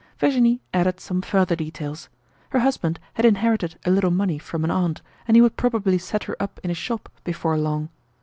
Virginie added some further details. Her husband had inherited a little money from an aunt and he would probably set her up in a shop before long.